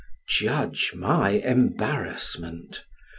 Judge my embarrassment!